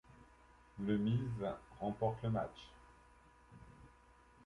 Le Miz remporte le match.